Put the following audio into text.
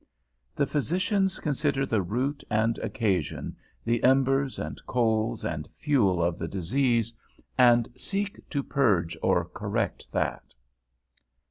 _The physicians consider the root and occasion, the embers, and coals, and fuel of the disease, and seek to purge or correct that.